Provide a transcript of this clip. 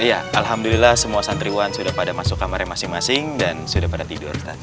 iya alhamdulillah semua santriwan sudah pada masuk kamarnya masing masing dan sudah pada tidur